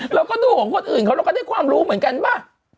เราก็ดูของคนอื่นเขาเราก็ได้ความรู้เหมือนกันป่ะ